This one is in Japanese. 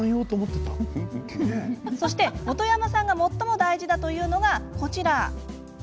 そして本山さんが最も大事だというのが、こちら。